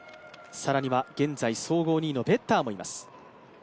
更には現在総合２位のベッターもいます。